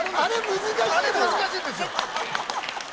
あれ難しいんですよ！